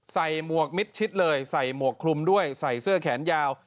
หมวกมิดชิดเลยใส่หมวกคลุมด้วยใส่เสื้อแขนยาว